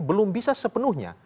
belum bisa sepenuhnya